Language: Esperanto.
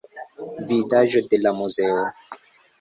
Vidaĵo de la muzeo.